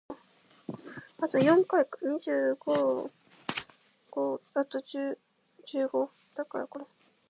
Since retiring as a player he has worked as a sales representative.